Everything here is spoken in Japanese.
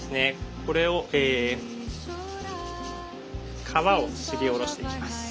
これを皮をすりおろしていきます。